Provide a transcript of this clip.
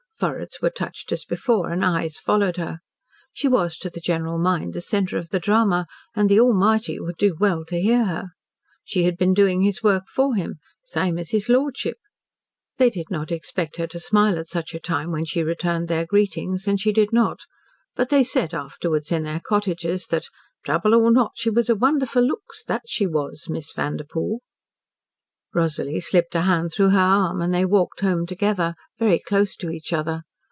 Foreheads were touched as before, and eyes followed her. She was to the general mind the centre of the drama, and "the A'mighty" would do well to hear her. She had been doing his work for him "same as his lordship." They did not expect her to smile at such a time, when she returned their greetings, and she did not, but they said afterwards, in their cottages, that "trouble or not she was a wonder for looks, that she was Miss Vanderpoel." Rosalie slipped a hand through her arm, and they walked home together, very close to each other.